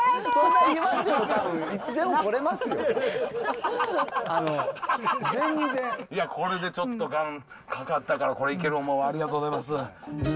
いや、これで全然願かかったから、これで行けるわ、ありがとうございます。